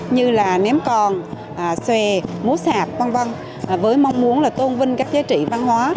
như ném còn xòe múa sạp v v với mong muốn tôn vinh các giá trị văn hóa